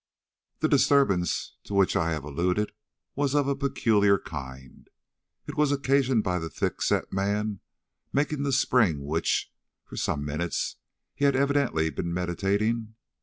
The disturbance to which I have alluded was of a peculiar kind. It was occasioned by the thick set man making the spring which, for some minutes, he had evidently been meditating.